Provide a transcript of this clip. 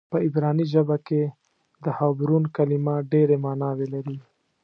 په عبراني ژبه کې د حبرون کلمه ډېرې معناوې لري.